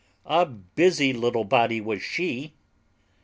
A busy little body was she!